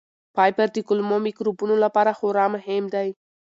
فایبر د کولمو مایکروبونو لپاره خورا مهم دی.